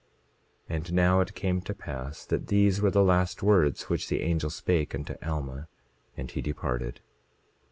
27:17 And now it came to pass that these were the last words which the angel spake unto Alma, and he departed.